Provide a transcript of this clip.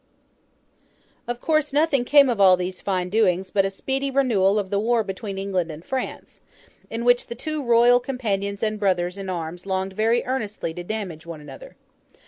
Of course, nothing came of all these fine doings but a speedy renewal of the war between England and France, in which the two Royal companions and brothers in arms longed very earnestly to damage one another.